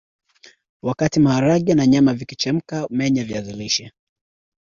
Wakati maharage na nyama vikichemka menya viazi lishe